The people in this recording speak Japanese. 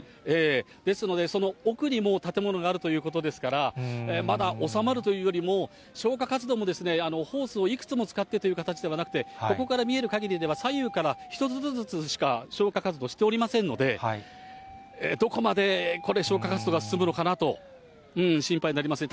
ですので、その奥にも建物があるということですから、まだ収まるというよりも、消火活動も、ホースをいくつも使ってという形ではなくて、ここから見えるかぎりでは、左右から１つずつしか消火活動しておりませんので、どこまで、これ、消火活動が進むのかなと心配になりますね。